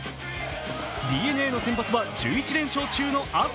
ＤｅＮＡの先発は１１連勝中の東。